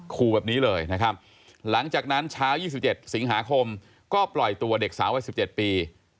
ขู่แบบนี้เลยนะครับหลังจากนั้นเช้า๒๗สิงหาคมก็ปล่อยตัวเด็กสาววัย๑๗ปี